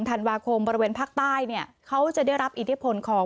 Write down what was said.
ธันวาคมบริเวณภาคใต้เนี่ยเขาจะได้รับอิทธิพลของ